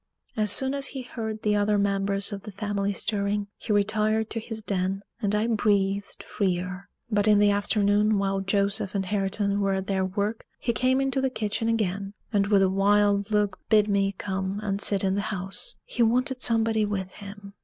As soon as he heard the other members of the family stirring, he retired to his den, and I breathed freer. But in the afternoon, while Joseph and Hareton were at their work, he came into the kitchen again, and with a wild look bid me come and sit in the house he wanted somebody with him.